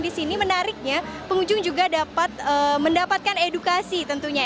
di sini menariknya pengunjung juga dapat mendapatkan edukasi tentunya